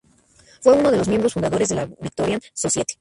Fue uno de los miembros fundadores de la Victorian Society.